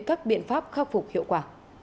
các biện pháp khắc phục hiệu quả